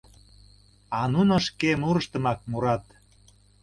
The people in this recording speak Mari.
А нуно шке мурыштымак мурат: